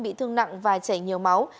tuấn bị thương nặng và chảy nhiều máu